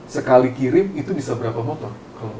sekali kirim itu bisa berapa motor